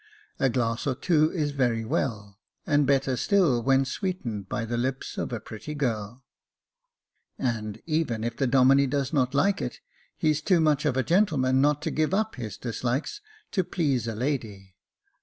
A glass or two is very well, and better still when sweetened by the lips of a \ i Jacob Faithful 231 pretty girl ; and, even if the Domine does not like it, he's too much of a gentleman not to give up his dislikes to please a lady.